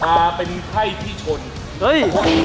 ว่าเป็นไพ่ที่ชน